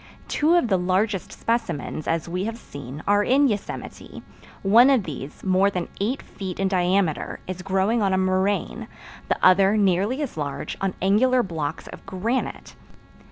Two of the largest specimens, as we have seen, are in Yosemite; one of these, more than eight feet in diameter, is growing on a moraine; the other, nearly as large, on angular blocks of granite.